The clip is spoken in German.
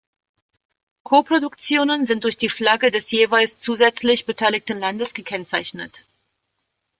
Koproduktionen sind durch die Flagge des jeweils zusätzlich beteiligten Landes gekennzeichnet.